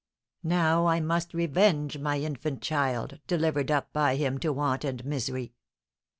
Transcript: Now I must revenge my infant child, delivered up by him to want and misery!